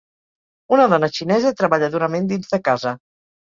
Una dona xinesa treballa durament dins de casa